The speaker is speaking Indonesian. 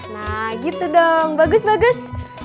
nah gitu dong bagus bagus